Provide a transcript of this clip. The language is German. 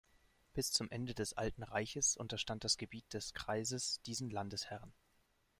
Bis zum Ende des Alten Reiches unterstand das Gebiet des Kreises diesen Landesherren.